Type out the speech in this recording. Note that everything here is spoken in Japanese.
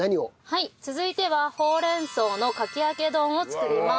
はい続いてはほうれん草のかき揚げ丼を作ります。